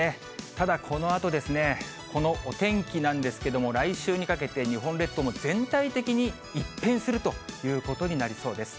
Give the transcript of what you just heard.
ただ、このあとですね、このお天気なんですけれども、来週にかけて日本列島も全体的に一変するということになりそうです。